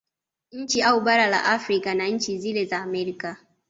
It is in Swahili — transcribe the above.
Nchi au bara la Afrika na nchi zile za Amerika